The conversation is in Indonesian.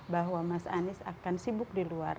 bahwa mas anies akan sibuk di luar